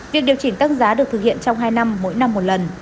việc điều chỉnh tăng giá được thực hiện trong hai năm mỗi năm một lần